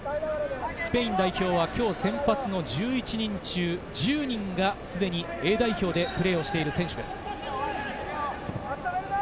スペイン代表は今日先発の１１人中１０人がすでにＡ代表でプレーしている選手です。